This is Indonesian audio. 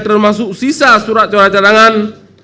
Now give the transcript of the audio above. termasuk sisa surat surat cadangan